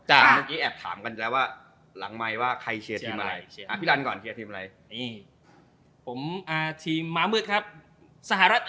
มาจนไหนช่วงที่จะไม่ได้แชมป์ฟุตบอลไม่คัมมิ่งโฮมก็ยังต้องเชียร์อังกฤษ